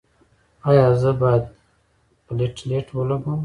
ایا زه باید پلیټلیټ ولګوم؟